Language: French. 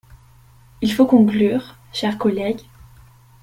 Il faut conclure, cher collègue.